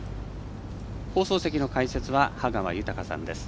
放送席の解説は羽川豊さんです。